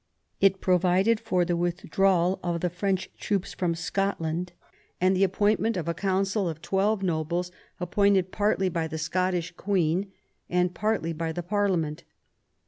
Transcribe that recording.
It pro vided for the withdrawal of the French troops from Scotland and the appointment of a Council of twelve nobles, appointed partly by the Scottish Queen and partly by the Parliament.